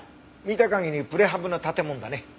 見た限りプレハブの建物だね。